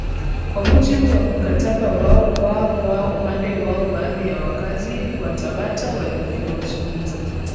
kwa mujibu wa mkataba wao KwaKwa upande wao baadhi ya wakazi wa tabata waliozungumza